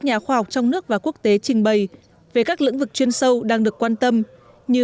nhà khoa học trong nước và quốc tế trình bày về các lĩnh vực chuyên sâu đang được quan tâm như